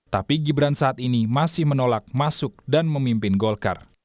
tapi gibran saat ini masih menolak masuk dan memimpin golkar